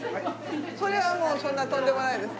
これはもうそんなとんでもないです。